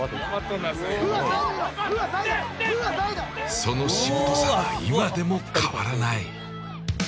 そのしぶとさは今でも変わらない。